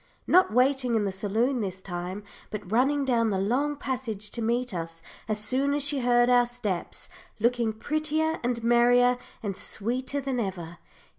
Not waiting in the saloon this time, but running down the long passage to meet us as soon as she heard our steps, looking prettier, and merrier, and sweeter than ever.